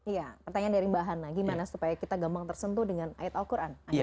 iya pertanyaan dari mbak hana gimana supaya kita gampang tersentuh dengan ayat al quran